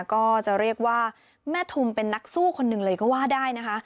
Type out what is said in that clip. ก็จะเรียกว่าแม่ทุมเป็นนักสู้คนหนึ่งเลยก็ว่าได้นะคะ